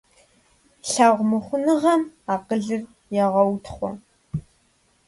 Лъагъумыхъуныгъэм акъылыр егъэутхъуэ.